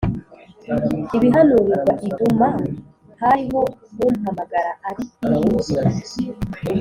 Ibihanurirwa i Duma Hariho umpamagara ari i